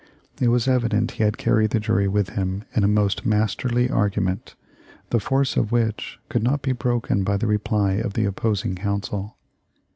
It was evident he had carried the jury with him in a most masterly argument, the force of which could not be broken by the reply of the opposing coun sel.